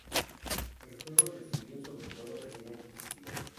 El juego recibió sobre todo reseñas positivas.